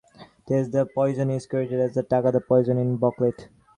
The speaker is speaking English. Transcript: "Taste The Poison" is credited as "Take The Poison" in the booklet.